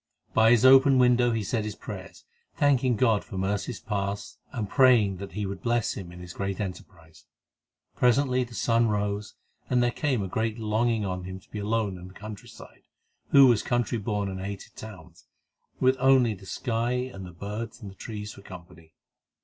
By his open window he said his prayers, thanking God for mercies past, and praying that He would bless him in his great emprise. Presently the sun rose, and there came a great longing on him to be alone in the countryside, he who was country born and hated towns, with only the sky and the birds and the trees for company.